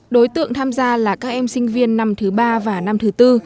đối tượng tham gia là các em sinh viên năm thứ ba và năm thứ tư